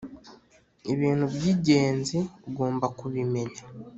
ibintu byigenzi ugomba kubimenya